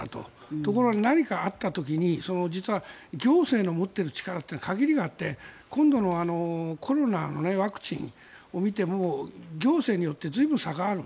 ところが、何かあった時に実は、行政の持ってる力は限りがあって今度のコロナのワクチンを見ても行政によって随分差がある。